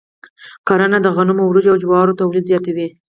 کرنه د غنمو، وريجو، او جوارو تولید زیاتوي.